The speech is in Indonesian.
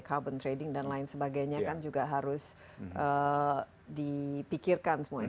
carbon trading dan lain sebagainya kan juga harus dipikirkan semuanya